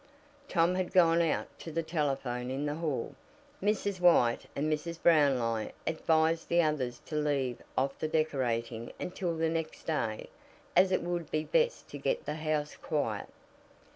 Tom had gone out to the telephone in the hall. Mrs. White and Mrs. Brownlie advised the others to leave off the decorating until the next day, as it would be best to get the house quiet.